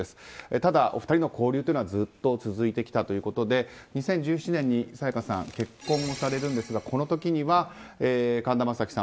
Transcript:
ただ、お二人の交流はずっと続いてきたということで２０１７年に沙也加さん結婚をされるんですがその時には神田正輝さん